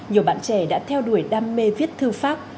nhiều bạn trẻ đã theo đuổi đam mê viết thư pháp